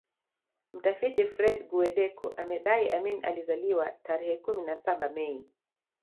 Mtafiti Fred Guweddeko amedai Amin alizaliwa tarehe kumi na saba Mei